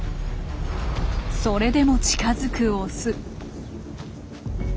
それでも近づくオス。